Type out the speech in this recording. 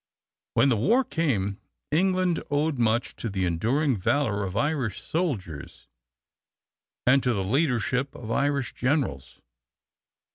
When the war came, England owed much to the enduring valor of Irish soldiers and to the leadership of Irish generals.